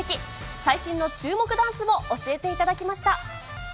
最新の注目ダンスも教えていただ